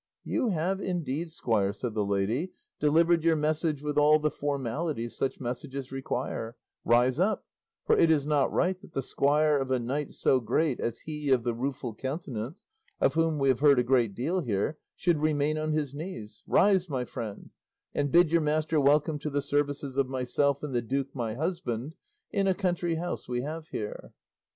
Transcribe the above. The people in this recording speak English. "You have indeed, squire," said the lady, "delivered your message with all the formalities such messages require; rise up, for it is not right that the squire of a knight so great as he of the Rueful Countenance, of whom we have heard a great deal here, should remain on his knees; rise, my friend, and bid your master welcome to the services of myself and the duke my husband, in a country house we have here."